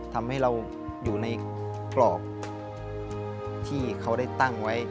ทำให้เราอยู่ในกรอบที่เขาได้ตั้งไว้